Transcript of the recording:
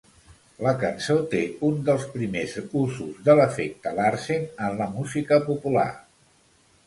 La cançó té un dels primers usos de l'efecte Larsen en la música popular.